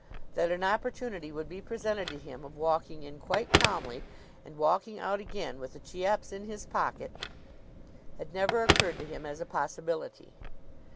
That an opportunity would be presented to him of walking in quite calmly and walking out again with the Cheops in his pocket, had never occurred to him as a possibility.